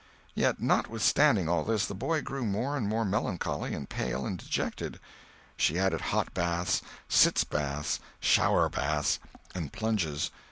Yet notwithstanding all this, the boy grew more and more melancholy and pale and dejected. She added hot baths, sitz baths, shower baths, and plunges.